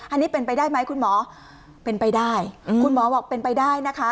อันนี้เป็นไปได้ไหมคุณหมอเป็นไปได้คุณหมอบอกเป็นไปได้นะคะ